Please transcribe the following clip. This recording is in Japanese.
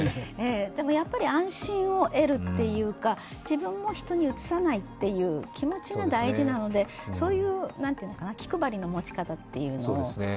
でもやっぱり安心を得るというか自分も人にうつさないという気持ちが大事なので、そういう気配りの持ち方というのを。